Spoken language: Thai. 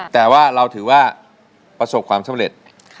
แต่ว่าเราถือว่าประสบความสำเร็จ